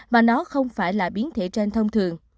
mà nó không phải là biến thể trên thông thường